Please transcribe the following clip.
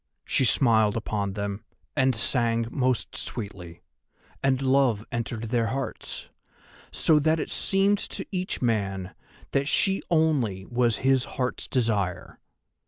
She smiled upon them, and sang most sweetly, and love entered their hearts, so that it seemed to each man that she only was his Heart's Desire.